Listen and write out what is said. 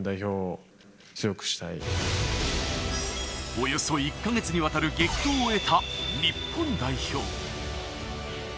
およそ１か月にわたる激闘を終えた日本代表。